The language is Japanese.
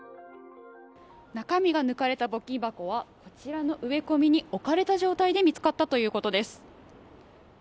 中身が抜かれた募金箱はこちらの植え込みに置かれた状態で見つかったということです。